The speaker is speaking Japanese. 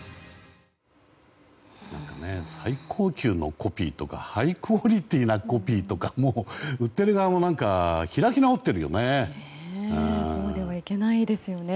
最高級のコピーとかハイクオリティーなコピーとかもう売ってる側も開き直ってるよね。